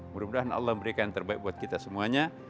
mudah mudahan allah memberikan yang terbaik buat kita semuanya